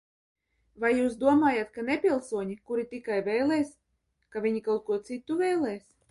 Vai jūs domājat, ka nepilsoņi, kuri tikai vēlēs, ka viņi kaut ko citu vēlēs?